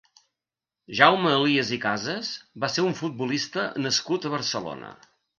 Jaume Elias i Casas va ser un futbolista nascut a Barcelona.